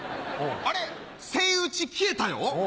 あれセイウチ消えたよ。